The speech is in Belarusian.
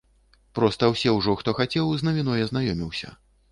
Проста ўсе ўжо, хто хацеў, з навіной азнаёміўся.